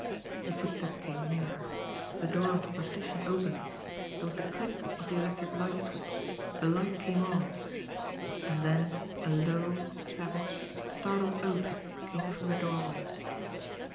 The footstep came nearer the door of the partition opened there was the click of the electric light switch the light came on and then a low, savage, startled oath came from the doorway.